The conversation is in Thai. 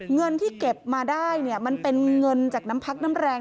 เงินที่เก็บมาได้เนี่ยมันเป็นเงินจากน้ำพักน้ำแรง